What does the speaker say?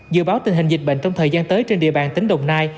dự báo tình hình dịch bệnh trong thời gian tới trên địa bàn tỉnh đồng nai